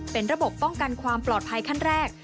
เป็นระบบป้องกันความปลอดภัยขั้นแรก